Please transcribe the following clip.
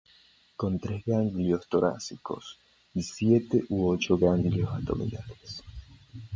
Con tres ganglios torácicos y siete u ocho ganglios abdominales.